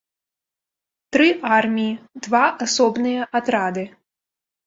Тры арміі, два асобныя атрады.